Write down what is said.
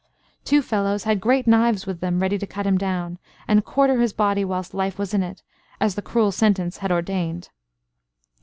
Two fellows had great knives with them ready to cut him down, and quarter his body whilst life was in it, as the cruel sentence had ordained.